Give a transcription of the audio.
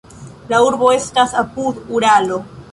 La urbo estas apud Uralo.